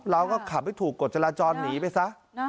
แล้วก็ขับให้ถูกกดจราจรหนีไปซะ